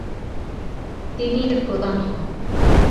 তিনি এর প্রধান হন।